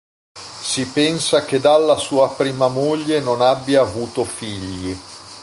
Si pensa che dalla sua prima moglie non abbia avuto figli.